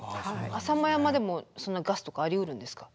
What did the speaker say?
浅間山でもガスとかありうるんですか？